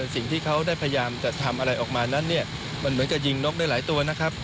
สิ่งที่เขาได้พยายามจะทำอะไรออกมานั้นเนี่ยมันเหมือนกับยิงนกได้หลายตัวนะครับ